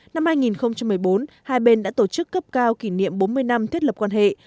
năm hai nghìn một mươi bốn hai bên đã tổ chức cấp cao kỷ niệm bốn mươi năm thiết lập quan hệ